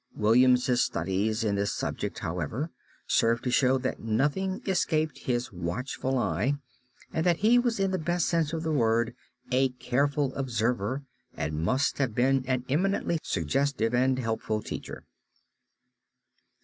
William's studies in this subject, however, serve to show that nothing escaped his watchful eye and that he was in the best sense of the word a careful observer and must have been an eminently suggestive and helpful teacher.